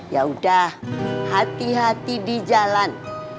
ya udah hati hati di jalan